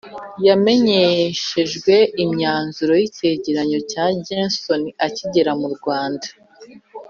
yamenyeshejwe imyanzuro y'icyegeranyo cya gersony akigera mu rwanda